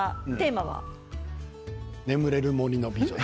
「眠れる森の美女」。